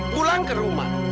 pulang ke rumah